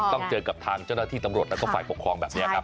ต้องเจอกับทางเจ้าหน้าที่ตำรวจแล้วก็ฝ่ายปกครองแบบนี้ครับ